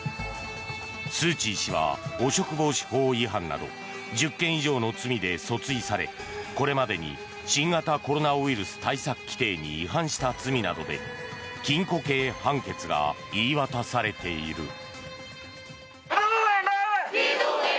スー・チー氏は汚職防止法違反など１０件以上の罪で訴追されこれまでに新型コロナウイルス対策規定に違反した罪などで禁錮刑判決が言い渡されている。